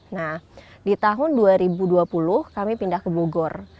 nah di tahun dua ribu dua puluh kami pindah ke bogor